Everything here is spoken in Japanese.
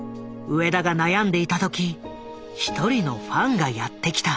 植田が悩んでいた時一人のファンがやって来た。